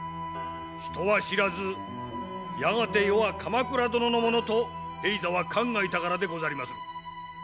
人は知らずやがて世は鎌倉殿のものと平三は考えたからでござりまする。